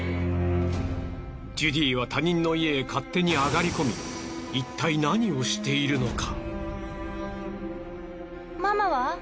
ジュディは他人の家へ勝手に上がり込みいったい何をしているのか？